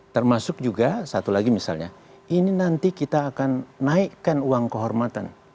termasuk juga satu lagi misalnya ini nanti kita akan naikkan uang kehormatan